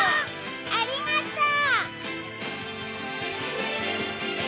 ありがとう！